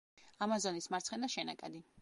ამაზონის მარცხენა შენაკადი.